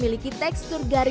mel pinset rambut gimana sih